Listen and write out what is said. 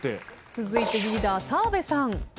続いてリーダー澤部さん。